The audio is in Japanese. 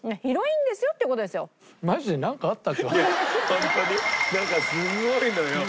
ホントになんかすごいのよ